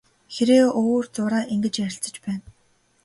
Хэрээ өөр зуураа ингэж ярилцаж байна.